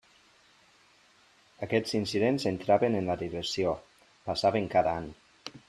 Aquests incidents entraven en la diversió: passaven cada any.